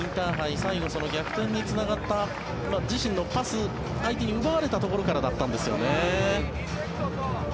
最後、逆転につながった自身のパスを相手に奪われたところからだったんですよね。